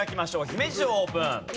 姫路城オープン。